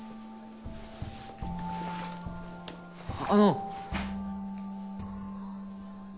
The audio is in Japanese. あの。